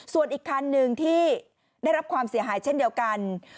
ส่วนอีกคันหนึ่งที่ได้รับความเสียหายเช่นเดียวกัน